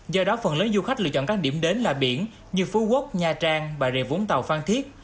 do đó phần lớn du khách lựa chọn các điểm đến là biển như phú quốc nha trang bà rịa vũng tàu phan thiết